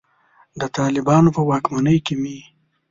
د طالبانو په واکمنۍ کې مې.